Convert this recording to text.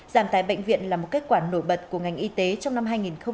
giảm tài bệnh viện là một kết quả nổi bật của ngành y tế trong năm hai nghìn hai mươi